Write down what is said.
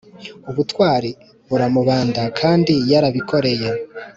ubutwari buramubanda kandi yarabikoreye